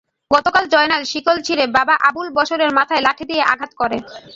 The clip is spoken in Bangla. গতকাল জয়নাল শিকল ছিঁড়ে বাবা আবুল বশরের মাথায় লাঠি দিয়ে আঘাত করে।